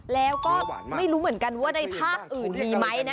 แล้วก็ไม่รู้เหมือนกันว่าในภาคอื่นมีไหมนะ